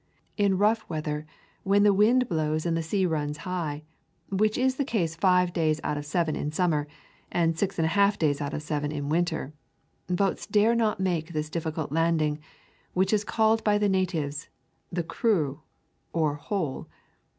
In rough weather, when the wind blows and the sea runs high, which is the case five days out of seven in summer, and six and a half days out of seven in winter, boats dare not make for this difficult landing, which is called by the natives "The Creux" or hole.